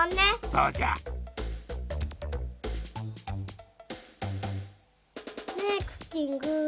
そうじゃ。ねぇクッキング。